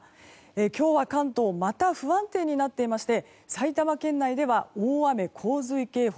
今日は関東また不安定になっていまして埼玉県内では大雨・洪水警報